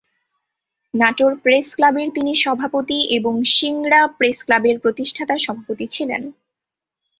Natore press ক্লাবের তিনি সভাপতি এবং সিংড়া প্রেস ক্লাবের প্রতিষ্ঠাতা সভাপতি ছিলেন।